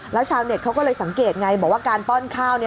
แล้วชาวเน็ตเขาก็เลยสังเกตไงบอกว่าการป้อนข้าวเนี่ย